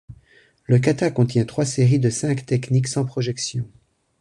Le kata contient trois séries de cinq techniques sans projections.